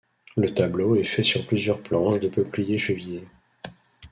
Le tableau est fait sur plusieurs planches de peuplier chevillées.